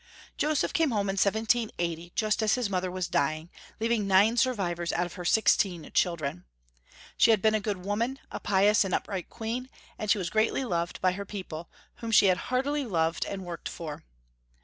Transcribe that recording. Joseph came home in 1780, just as his mother was dying, leaving nine survivors out of her six teen children. She had been a good woman, a pious and upright queen, and she was greatly loved by her people, whom she had heartily loved and worked for.